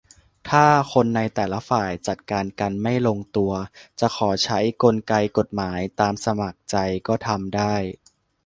- ถ้าคนในแต่ละฝ่ายจัดการกันไม่ลงตัว จะขอใช้กลไกกฎหมาย ตามสมัครใจ ก็ทำได้